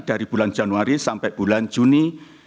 dari bulan januari sampai bulan juni dua ribu dua puluh